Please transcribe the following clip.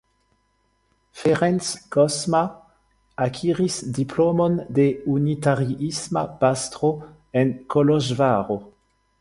Ferenc Kozma akiris diplomon de unitariisma pastro en Koloĵvaro.